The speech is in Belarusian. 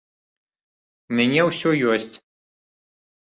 У мяне ўсё ёсць.